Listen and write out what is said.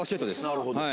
なるほど